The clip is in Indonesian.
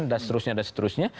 dan seterusnya dan seterusnya